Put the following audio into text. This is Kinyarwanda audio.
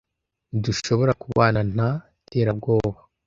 ntidushobora kubara nta terabwoba